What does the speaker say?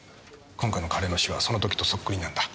今回の彼の死はそのときとそっくりなんだ。